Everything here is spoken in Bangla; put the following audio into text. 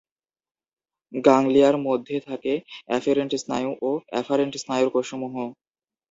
গাংলিয়ার মধ্যে থাকে অ্যাফেরেন্ট স্নায়ু ও এফারেন্ট স্নায়ুর কোষসমূহ।